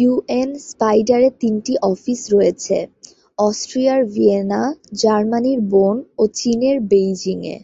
ইউএন-স্পাইডারের তিনটি অফিস রয়েছে অস্ট্রিয়ার ভিয়েনা, জার্মানির বন ও চীনের বেইজিংয়ে।